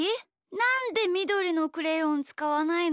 なんでみどりのクレヨンつかわないの？